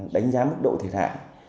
đánh giá mức độ thiệt hại